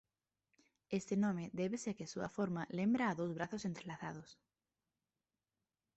Este nome débese a que a súa forma lembra a dous brazos entrelazados.